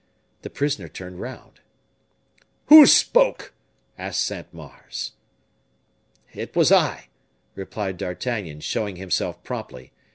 The prisoner turned round. "Who spoke?" asked Saint Mars. "It was I," replied D'Artagnan, showing himself promptly.